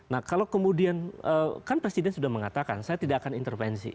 nah kalau kemudian kan presiden sudah mengatakan saya tidak akan intervensi